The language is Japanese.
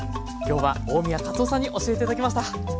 今日は大宮勝雄さんに教えて頂きました。